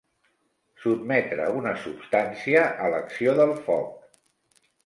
Sotmetre una substància a l'acció del foc.